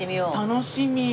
楽しみ。